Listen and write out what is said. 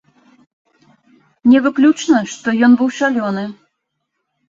Не выключана, што ён быў шалёны.